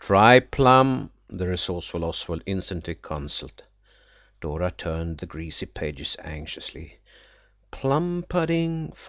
"Try plum," the resourceful Oswald instantly counselled. Dora turned the greasy pages anxiously. "'Plum pudding, 518.